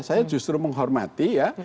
saya justru menghormati ya